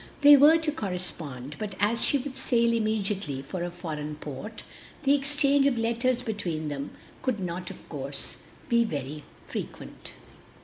They were to correspond, but as he would sail immediately for a foreign port, the exchange of letters between them could not, of course, be very frequent.